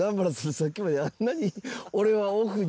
さっきまであんなに。